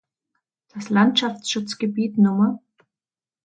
Das Landschaftsschutzgebiet Nr.